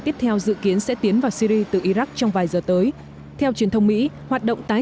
tiếp theo dự kiến sẽ tiến vào syri từ iraq trong vài giờ tới theo truyền thông mỹ hoạt động tái